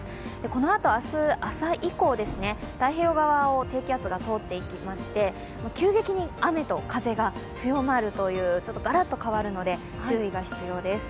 このあと明日朝以降、太平洋側を低気圧が通っていきまして急激に雨と風が強まるというガラッと変わるので、注意が必要です。